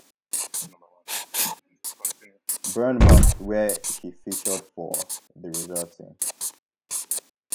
Bournemouth where he featured for the reserve team.